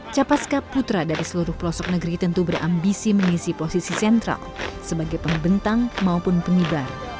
capaska putra dari seluruh pelosok negeri tentu berambisi mengisi posisi sentral sebagai pembentang maupun pengibar